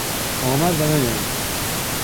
آمد و نیامد